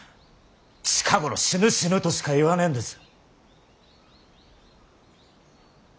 近頃死ぬ死ぬとしか言わねえんです。